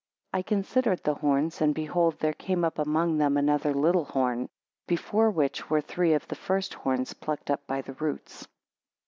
I considered the horns, and behold there came up among them another little horn, before which were three of the first horns plucked up by the roots.